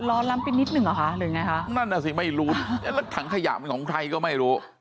ล้อล้ำไปนิดหนึ่งเหรอคะหรือไงคะนั่นน่ะสิไม่รู้แล้วถังขยะมันของใครก็ไม่รู้